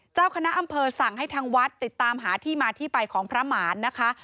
เจ้าคณะอำเภอสั่งให้ทางวัดติดตามหาที่มาที่ไปของพระหมานนะคะ